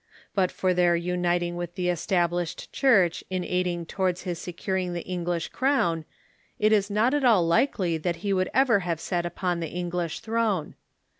But for their uniting with the Established Church in aiding towards his securing the English crown, it is not at all likely that he would ever have sat upon the English throne.